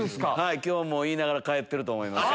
今日も言いながら帰ってると思いますよ。